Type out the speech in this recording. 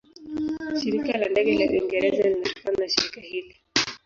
Shirika la Ndege la Uingereza linatokana na shirika hili.